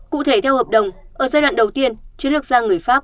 cụ thể theo hợp đồng ở giai đoạn đầu tiên chiến lược gia người pháp